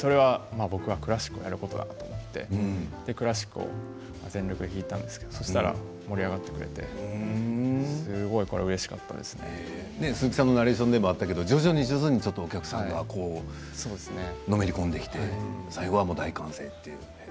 僕はクラシックをやることだなと思ってクラシックを全力で弾いたんですけどそうしたら盛り上がってくれて鈴木さんのナレーションでもありましたけど徐々に徐々にお客さんがのめり込んできて最後は大歓声って。